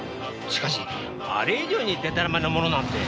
しかしあれ以上にでたらめなものなんて。